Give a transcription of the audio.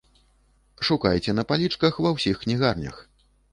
Шукайце на палічках ва ўсіх кнігарнях!